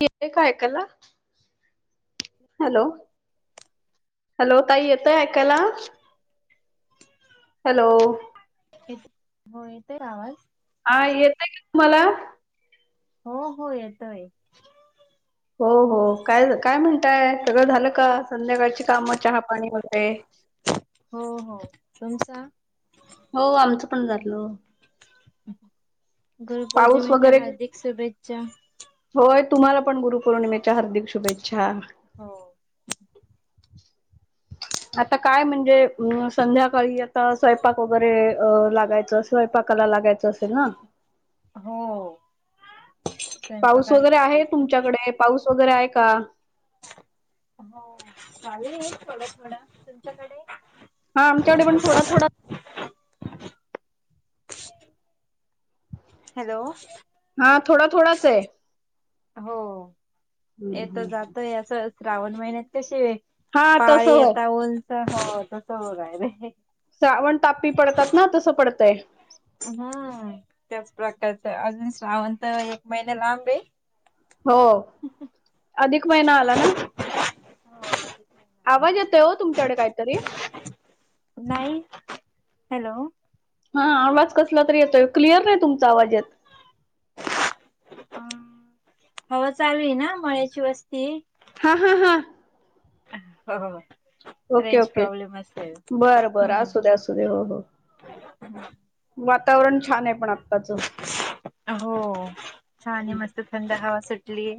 येते काय ऐकायला? हॅलो हॅलो ताई येतय ऐकायला? हॅलो. होय येतोय ना आवाज? हा येतंय काय तुम्हाला? हो हो येतंय. हो हो काय गं काय म्हणताय, सगळं झालं का संध्याकाळची काम चहापाणी वगैरे? हो हो, तुमचा? हो आमचं पण झालं. पाऊस गुरुपौर्णिमेच्या वगैरे हार्दिक शुभेच्छा. होय तुम्हाला पण गुरुपौर्णिमेच्या हार्दिक शुभेच्छा. हो. [inaudible] आता काय म्हणजे अ संध्याकाळी आता स्वयंपाक वगैरे अ लागायचं असं. स्वयंपाकाला लागायचं असेल ना? हो. [unintelligible] पाऊस वगैरे आहे लागायचं. तुमच्याकडे, पाऊस वगैरे आहे का? हो चालूये थोडं थोडं, तुमच्याकडे? हो आमच्याकडे पण थोडा थोडा हॅलो. हा थोडा थोडाचय. हो‌ येतो जातोय असं श्रावण महिन्यात तशे हा [unintelligible] काय तसं आहे होय आता ऊन पण हो तसं बघायले. श्रावण ताप्ती पडतात ना तसं पडतंय. हम्म त्याच प्रकारचं अजून श्रावण त एक महिना लांबे. हो अधिक महिना आला ना? [unintelligible] हा. आवाज येतोय ओ तुमच्याकडे काय तरी. नाही हॅलो. हां आवाज कसला तरी येतोय‌, क्लियर नाही तुमचा आवाज येत. अ हवा चालली ना, मळ्याची वस्ती. हा हा हा. हो हो हो. ओके रेंज ओके, प्रॉब्लेम असेल बरं बरं आसुदे हम्म आसुदे हो हो. [inaudible] वातावरण छान हाय पण आ हो, छाने मस्त थंड हवा सुटलीये.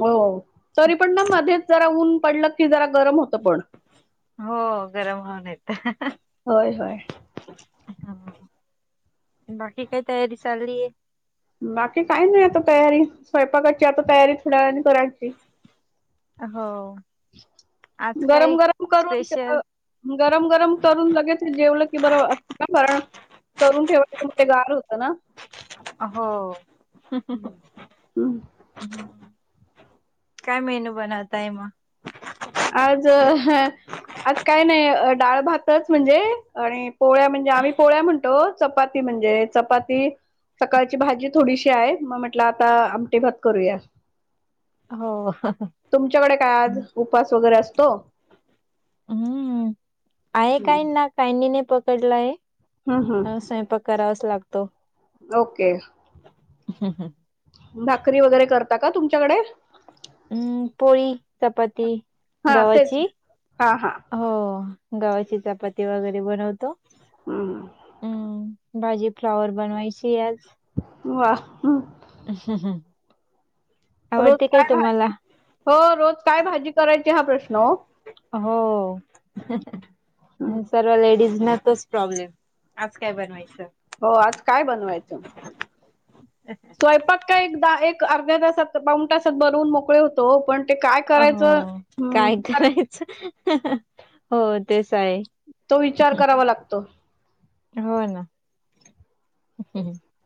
हो ओ, तरीपण ना मध्येच जरा ऊन पडलं की जरा गरम होतं पण. हो गरम होऊन येतं. होय होय. ह ह ह, बाकी काय तयारी चाललीय? बाकी काय नाई आता तयारी, स्वयंपाकाची आता तयारी थोड्या वेळाने करायची. हो. आज काय गरम गरम करून स्पेशल [unintelligible] गरम गरम करून लगेच हे जेवलं की बरं ‌ असताना कारण करुन ठेवायचं म ते गार होतं ना. अ‌ हो. हं. [unintelligible] काय मेनू बनवताय मग? आज ह आज काय नाय, अ‌ डाळ भातच म्हणजे ‌ आणि पोळ्या म्हणजे आम्ही पोळ्या म्हणतो. ‌ चपाती म्हणजे चपाती. सकाळची भाजी थोडीशी हाय, म म्हटलं ‌ आता आमटी भात करूया ‌. हो तुमच्याकडे काय ‌आज उपास वगैरे असतो. हम्म, आहे काय हं ना कायनीे ने पकडलाय हं स्वयंपाक करावाच लागतो. ओके. [inaudible] भाकरी वगैरे करता का तुमच्याकडे? हम् पोळी, चपाती हा तेच. गव्हाची. हा हा. हो घवाची चपाती वगैरे बनवतो हम्. हम भाजी फ्लावर बनवायची आज. वा. रोज आवडते काय तुम्हाला? भाजी हो रोज काय भाजी करायची हा प्रश्न ओ. हो सर्व लेडीज ना तोच प्रॉब्लेम, आज काय बनवायचं. हो आज काय बनवायचं स्वयंपाक काय एक अर्ध्या तासात पावून तासात बनवून मोकळं हो तो पण ते काय करायचं हो हू काय हो तेच आहे. तो विचार करावा लागतो. हो ना,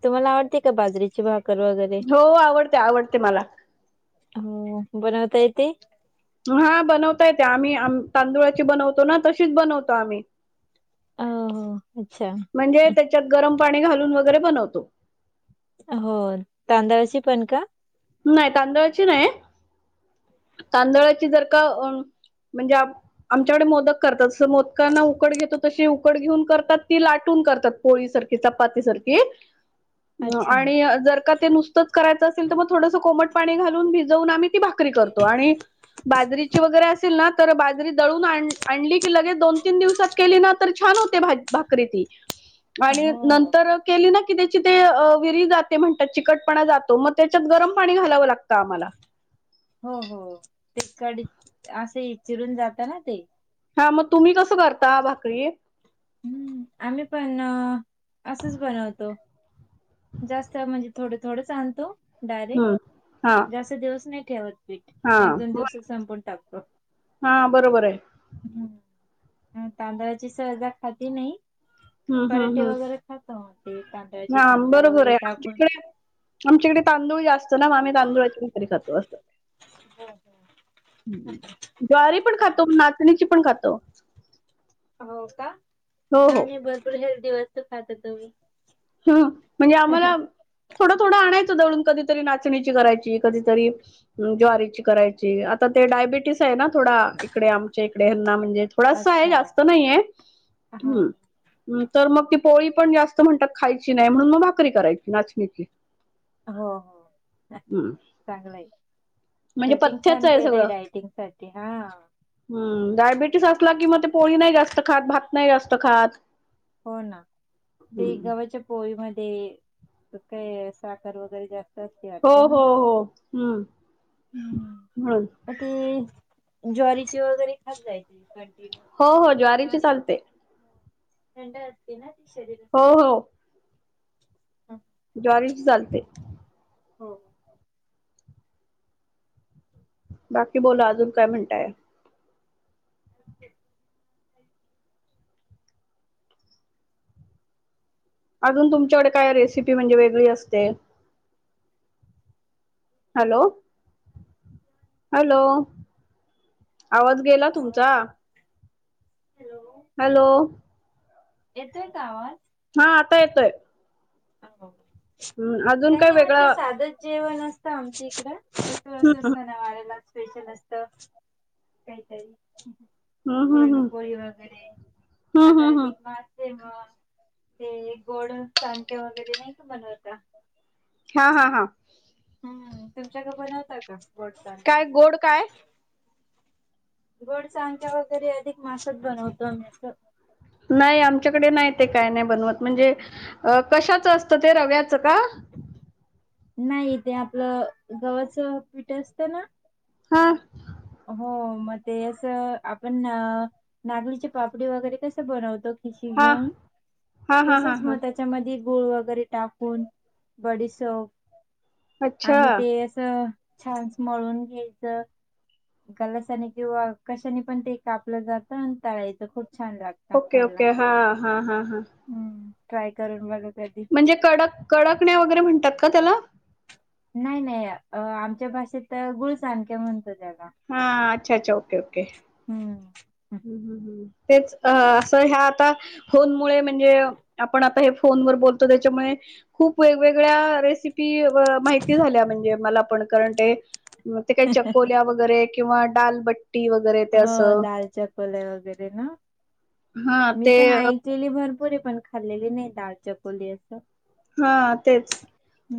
तुम्हाला आवडते का बाजरीची भाक हो आवडते आवडते मला. हो बनवता येते. हा बनवता येते, आम्ही आ तांदुळाची बनवतो ना तशीच बनवतो आम्ही. अ हो अच्छा. म्हणजे त्याच्यात गरम पाणी घालून वगैरे बनवतो. हो, तांदळाची पण का? नाय तांदळाची नाय तांदळाची जर का म्हणजे आप आमच्याकडे मोदक करतात, जसं मोदकांना उकड घेतो तशी उकड घेऊन करतात ती लाटून करतात. पोळी सारखी, चपाती सारखी, अच्छा आणि जर का ते नुसतंच करायचं असेल तर मग थोडसं कोमट पाणी घालून भिजवून आम्ही ती भाकरी करतो, आणि बाजरीची वगैरे असेल ना तर बाजरी दळून आण आणली की लगेच दोन तीन दिवसात केली ना तर छान होते भा भाकरी ती. आणि हो नंतर केली ना की त्याची ते विरी जाते म्हणतात, चिकटपणा जातो म ते त्याच्यात गरम पाणी घालावं लागतं आम्हाला. हो हो ते कडे असे चिरून जात ना ते. हा मग तुम्ही कसं करता भाकरी? हम्म आम्ही पण असंच बनवतो. जास्त म्हणजे थोडं थोडंच आणतो. डायरेक्ट, हम्म. हा, जास्त दिवस नाही ठेवत पीठ हा, एक दोन दिवसात संपवून टाकतो. हां बरोबर ये. तांदळाची सहजा खाती नाही, हम्म, हम्म, पराठे हम्म. वगैरे खातो आम्ही ते [unintelligible] हा कांदा बरोबर वगैरे हाय आणखी टाकून काय आमच्या इकडे तांदूळ जास्त ना म आम्ही तांदुळाची भाकरी खातो असं. ज्वारी पण खातो, नाचणीची पण खातो. हो का? हो, हो. छान ये भरपूर हेलदी वस्तू खाता तुम्ही. हं, म्हणजे आम्हाला थोडं थोडं आणायचं दळून कधीतरी नाचणीची करायची, कधीतरी अ, ज्वारीची करायची, आता ते डायबिटीस आहे ना थोडा इकडे आमच्या इकडे ह्यंना म्हणजे थोडासा आहे अच्छा जास्त नाही आहे हो तर मग ती पोळी पण जास्त म्हणतात खायची नाय म्हणून म भाकरी करायची नाचणीची हो हो हम्म. चांगलंय म्हणजे रुटीन पथ्याच छान आहे केलंय डायटिंग साठी हा. हू डायबिटीस असला कि म ते पोळी नाही जास्त खात भात नाही जास्त खात हो ना ते हम्म गवाच्या पोळी मध्ये काय साखर वगैरे जास्त अस हो हो हो हू म्हणून म ती ज्वारीची वगैरे खात जाय कंटिन्यू हो हो ज्वारीची ज्वारी चालते थंड असते ना ती हो शरीरासाठी हो हा ज्वारीची चालते हो बाकी बोला अजून काय म्हणताय अजून तुमच्याकडे काय रेसिपी म्हणजे वेगळी असते हॅलो हॅलो आवाज गेला तुमचा हो. हॅलो. येतोय का आवाज हा आता येतोय हम्म अजून काय नाय म्हटलं वेगळं सादच जेवण असतं आमच्या इकडं असं हम्म सणावाराला स्पेशल असतं काय तरी हम्म हम्म हम्म पुरणपोळी वगैरे हम्म आता हम्म हम्म अधिक मास तेव्हा ते गोड चांके वगैरे नाय का बनवत हा हा हा हम् तुमच्याकडे बनवता का? गोड सांडक्या? काय गोड काय? गोड चामके वगैरे अधिक मासात बनवतो आम्ही असं. नाही आमच्याकडे नाही ते काय नाही बनवत म्हणजे अ कशाचं असतं ते रव्याचं का नाही ते आपलं गव्हाच पिठ असतं ना हां. हो म ते असं आपण नागलीची पापडी वगैरे कसं बनवतो सुट्टी हा घेऊन हा हा हा तसेच हा म्हणतात त्याच्यामध्ये गुळ वगैरे टाकून बडीसोप अच्छा आणि ते छान मळून घ्यायचं गलासाने किंवा कशाने पण ते कापलं जातं आणि तळायचं खूप छान लागतं. ओके ओके हा हा हा हा हू ट्राय करून बघू म्हणजे कडक कडकण्या वगैरे म्हणतात का त्याला नाय नाय आमच्या भाषेत गुळ चाणक्या म्हणतो त्याला हा अच्छा अच्छा ओके ओके हू हू हू हू तेच अ असं ह्या आता फोनमुळे म्हणजे, आपण आता हे फोनवर बोलतो त्याच्यामुळे खूप वेगवेगळ्या रेसिपी माही माहिती झाल्या म्हणजे मला पण कारण ते ते काय चकोल्या वगैरे किंवा दालभाटी ती वेगळे ते हो असं- [unintelligible] वगैरे न हा मी ते पण ऐकलेले भरपूर रे पण खाल्लेली नई दाल-चकोली असं. हा तेच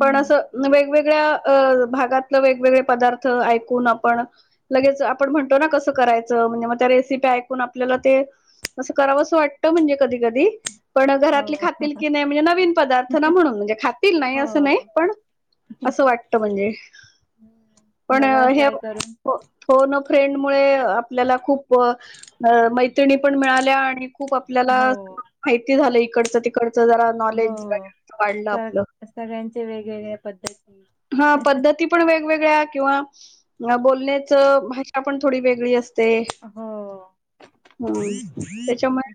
पण असं वेग वेगळ्या अ भागातले वेगवेगळे पदार्थ ऐकून आपण लगेच आपण म्हणतो ना कसं करायचं म्हणजे म त्या रेसीप्या ऐकून आपल्याला ते असं करावसं वाटतं, म्हणजे कधी कधी पण घरातले हो खातील का नाय म्हणजे नवीन पदार्थ- [unintelligible] म्हणून म्हणजे खातील नाय असं नाय हो पण असं वाटतं म्हणजे हुं, बघावं ट्राय करून. हो, फोन अ फ्रेंड मुळे आपल्याला खूप मैत्रिणी पण मिळाल्या अणी खूप आपल्याला हो माहिती झालं इकडचं तिकडचं जरा नॉलेज हो वाढलं तर आपलं सगळ्यांच्या वेगवेगळ्या पद्धती. हा पद्धती पण वेगवेगळ्या, किंवा अ बोलण्याचं भाषा पण थोडी वेगळी असं- ते हो हुम त्याच्या मुळे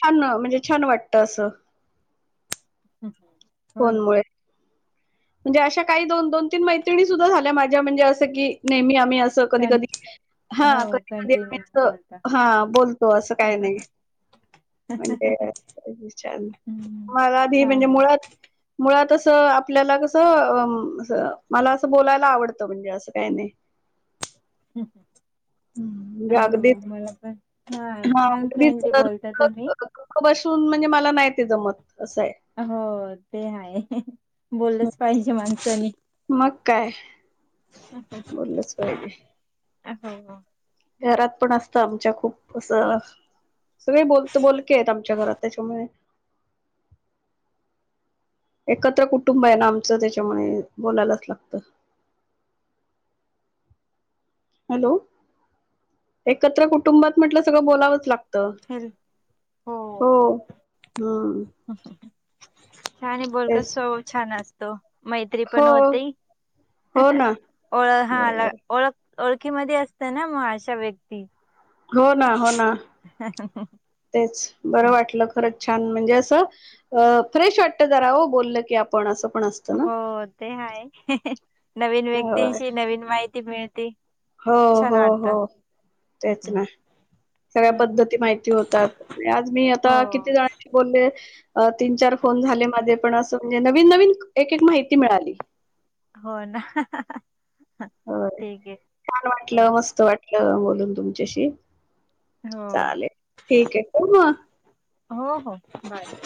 छान न म्हणजे छान वाटतं असं. हं हुं. फोण मुळे. म्हणजे अशा काही दोन दोन तीन मैत्रिणी सुद्धा झाल्या, माझ्या म्हणजे असं की नेहमी आम्ही असो- जर कधी कं कधी हा हो कधी कधी आम्ही कंटिन्यू बोलता असं हा बोलतो असं काय नाई. म्हणते बघ विचारून. हम्म मला बी म्हणजे छान मुळात. मुळात असं आपल्याला कसं अ असं मला असं बोलायला आवडतं म्हणजे असं काय नाय. [inaudible] म्हणजे अगदीच अं मला पण हा हां, छान अगदीच फ्रेंडली बोलता तुम्ही. [unintelligible] बसून म्हणजे मला नाय ते जमत असं ए. हो ते आहे ह ह हं, बोललंच पायजे माणसानी. मग काय. [unintelligible] बोललंच पायजे. अस आहे मग. घरात पण असतं आमच्या खूप असं सगळे बोलतो बोलके आहेत, आमच्या घरात त्याच्यामुळे- एकत्र कुटुंबयना आमचं त्याच्यामुळे बोलायलाच लागतं. हॅलो, एकत्र कुटुंबात म्हटलं सगळं बोलावंच लाग् तर हेल हो हम्म. हं हं हं छाने बोल तेच कसं व छान असतं. मैत्री हो, पण होते, ह हो ह ना. ओळ हा बरोबर. ओळख ओळखी मध्ये असतय ना म अशा व्यक्ती. हो ना हो ना तेच बरं हं. वाटलं खरंच् छान म्हणजे असं अ फ्रेश वाटतं जरा ओ, बोललं की आपण असं कुणाचं- हो, ते हाय [inaudible] नवीन होय व्यक्तींची नवीन माहिती मिळते. हो छान हो वाटत हो तेच ना. सगळ्या पद्धती माईती होतात. मी आज मी आता हो कितीदा बोलले अ तीन चार फोन झाले माझे पण असं म्हणजे नवीन नवीन एक एक माहिती मिळाली. होय ना हा हा हा. होय छान हो वाटलं मस्त वाटलं बोलून तुमच्याशी. हो. चालेल ठीक आहे ठेवू मग हो हो बाय.